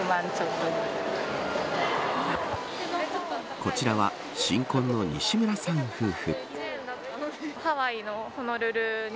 こちらは新婚の西村さん夫婦。